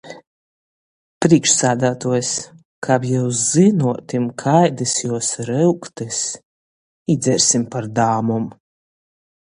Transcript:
Prīkšsādātuojs: - Kab jius zynuotim, kaidys juos ryugtys... Izdzersim par dāmom!